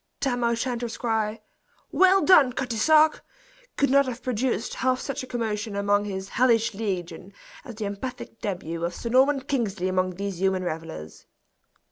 Tam O'Shanter's cry, "Weel done, Cutty sark!" could not have produced half such a commotion among his "hellish legion" as the emphatic debut of Sir Norman Kingsley among these human revelers.